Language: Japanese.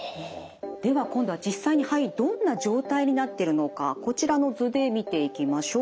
では今度は実際に肺どんな状態になってるのかこちらの図で見ていきましょう。